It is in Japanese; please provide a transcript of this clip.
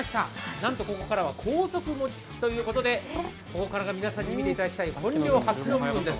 なんとここからは高速餅つきということでここからが皆さんに見ていただきたい本領発揮の部分です。